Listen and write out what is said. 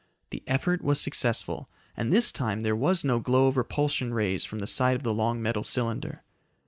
The effort was successful, and this time there was no glow of repulsion rays from the side of the long metal cylinder.